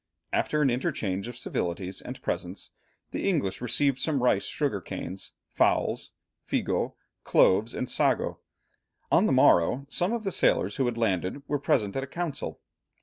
After an interchange of civilities and presents, the English received some rice, sugar canes, fowls, figo, cloves, and sago. On the morrow, some of the sailors who had landed, were present at a council.